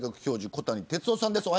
小谷哲男さんです。